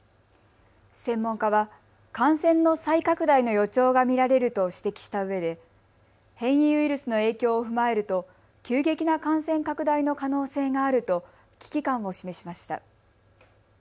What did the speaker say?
専門家は感染の再拡大の予兆が見られると指摘したうえで変異ウイルスの影響を踏まえると急激な感染拡大の可能性があると危機感を示しました。